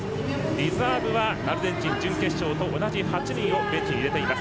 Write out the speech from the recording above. リザーブは、アルゼンチン準決勝と同じ８人を入れています。